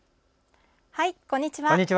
こんにちは。